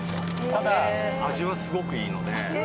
ただ、味はすごくいいので。